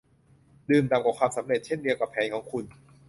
ดื่มด่ำกับความสำเร็จเช่นเดียวกับแผนของคุณ